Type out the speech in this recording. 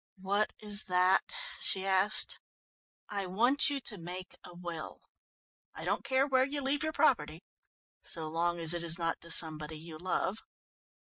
"What is that?" she asked. "I want you to make a will. I don't care where you leave your property, so long as it is not to somebody you love."